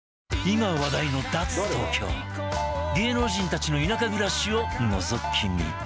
今話題の芸能人たちの田舎暮らしをのぞき見